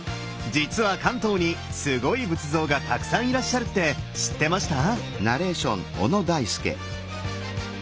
実は関東にすごい仏像がたくさんいらっしゃるって知ってました？